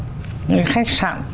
những cái khách sạn